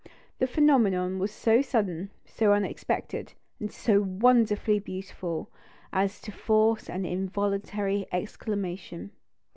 The phenomenon was so sudden, so unexpected, and so wonderfully beautiful, as to force an involuntary exclamation."